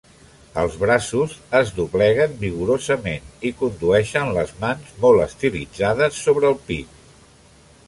Els braços es dobleguen vigorosament i condueixen les mans, molt estilitzades, sobre el pit.